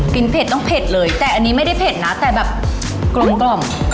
เผ็ดต้องเผ็ดเลยแต่อันนี้ไม่ได้เผ็ดนะแต่แบบกลมกล่อม